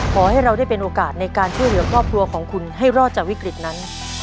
ขอให้เราได้เป็นโอกาสในการช่วยเหลือครอบครัวของคุณให้รอดจากวิกฤตนั้น